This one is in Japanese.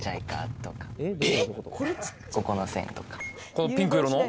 このピンク色の？